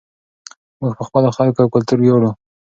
موږ په خپلو خلکو او کلتور ویاړو.